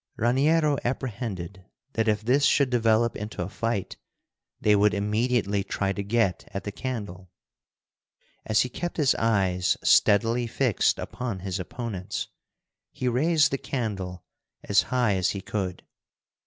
Raniero apprehended that if this should develop into a fight, they would immediately try to get at the candle. As he kept his eyes steadily fixed upon his opponents, he raised the candle as high as he could.